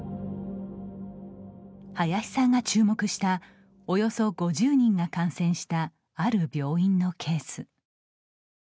林さんが注目したおよそ５０人が感染したある病院のケース。